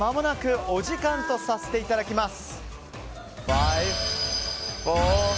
お時間とさせていただきます。